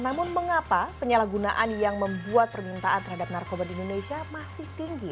namun mengapa penyalahgunaan yang membuat permintaan terhadap narkoba di indonesia masih tinggi